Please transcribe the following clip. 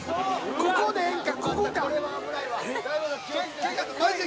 ここでええんか？